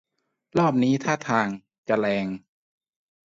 รอบนี้ท่าทาง จะแรง